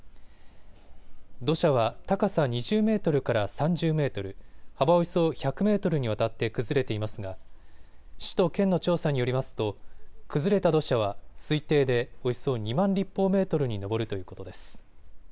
土砂は高さ２０メートルから３０メートル、幅およそ１００メートルにわたって崩れていますが市と県の調査によりますと崩れた土砂は推定でおよそ２万立方メートルに上るということです。